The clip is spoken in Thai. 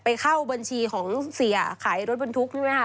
ไปเข้าบัญชีของเสียขายรถบรรทุก